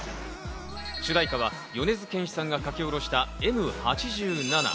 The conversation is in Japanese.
主題歌は米津玄師さんが書き下ろした『Ｍ八七』。